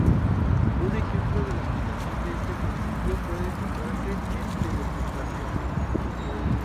Un ejemplo de aplicación de este principio puede demostrarse en teleportación.